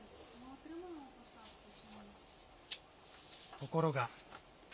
ところが。